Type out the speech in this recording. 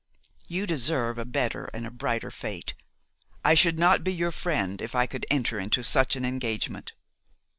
'You deserve a better and a brighter fate. I should not be your friend if I could enter into such an engagement.